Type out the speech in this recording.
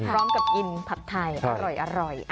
พร้อมกับกินผัดไทยอร่อย